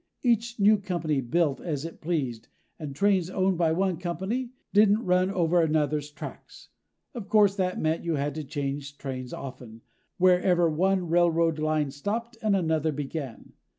Each new company built as it pleased, and trains owned by one company didn't run over another's tracks. Of course, that meant you had to change trains often wherever one railroad line stopped and another began.